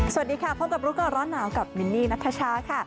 สวัสดีค่ะพบกับรู้ก่อนร้อนหนาวกับมินนี่นัทชาค่ะ